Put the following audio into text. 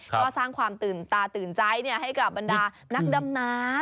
ก็สร้างความตื่นตาตื่นใจให้กับบรรดานักดำน้ำ